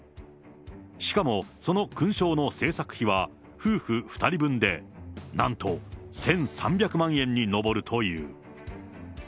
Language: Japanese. しかも、その勲章の製作費は、夫婦２人分で、なんと１３００万円に上るという。